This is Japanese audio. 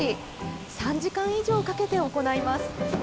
３時間以上かけて行います。